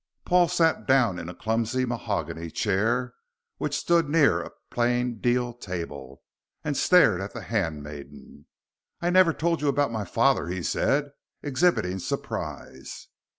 Paul sat down in a clumsy mahogany chair, which stood near a plain deal table, and stared at the handmaiden. "I never told you about my father," he said, exhibiting surprise.